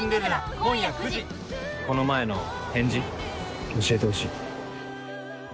この前の返事、教えてほしい。